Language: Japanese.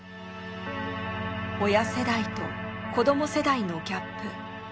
親世代と子ども世代のギャップ。